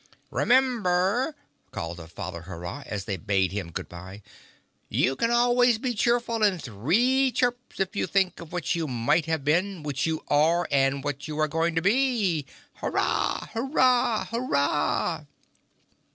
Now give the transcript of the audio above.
"Remember," called the Father Hurrah, as they bade him good bye, "you can always be cheerful in three chirps if you think of what you might have been, what you are, and what you are going to be. Hurrah! Hurrah! Hurrah!"